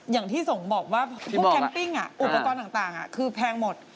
อย่างที่ส่งบอกว่าพวกแคมปิ้งอุปกรณ์ต่างคือแพงหมด